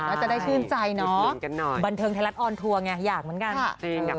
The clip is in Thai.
แล้วจะได้ชื่นใจเนาะบันเทิงไทยรัฐออนทัวร์ไงอยากเหมือนกัน